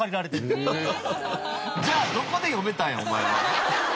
すごい！じゃあどこで読めたんやお前は。